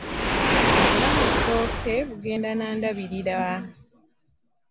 Obulamu ttooke, bugenda na ndabirira